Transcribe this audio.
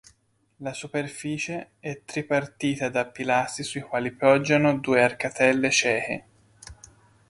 La superficie è tripartita da pilastri sui quali poggiano due arcatelle cieche.